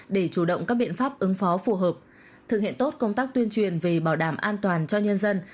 để chủ động các biện pháp ứng phó phù hợp thực hiện tốt công tác tuyên truyền về bảo đảm an toàn cho nhân dân